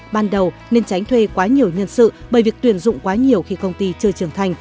ban đầu nên tránh thuê quá nhiều nhân sự bởi việc tuyển dụng quá nhiều khi công ty chưa trưởng thành